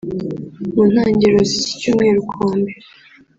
mu ntangiriro z’iki cyumweru kuwa mbere